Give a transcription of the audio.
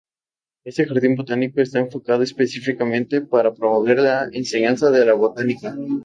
Este jardín botánico está enfocado específicamente para promover la enseñanza de la botánica.